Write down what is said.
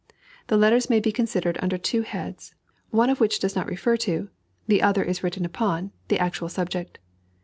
The letters may be considered under two heads, one of which does not refer to, the other is written upon, the actual subject.